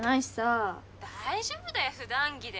大丈夫だよ普段着で。